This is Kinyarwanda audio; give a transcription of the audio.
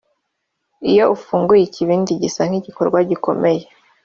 iyo ufunguye ikibindi gisa nkigikorwa gikomeye,